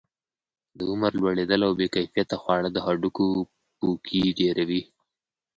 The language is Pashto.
د عمر لوړېدل او بې کیفیته خواړه د هډوکو پوکي ډیروي.